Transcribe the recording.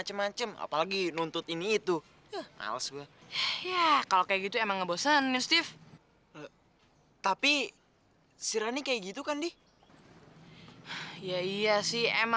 sampai jumpa di video selanjutnya